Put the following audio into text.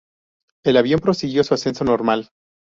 El avión prosiguió su ascenso normal.